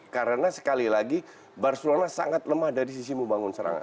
karena sekali lagi barcelona sangat lemah dari sisi membangun serangan